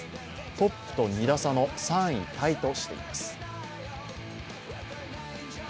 トップと２打差の３位タイとしています。